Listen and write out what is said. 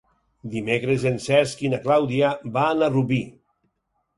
Dimecres en Cesc i na Clàudia van a Rubí.